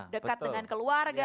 dekat dengan keluarga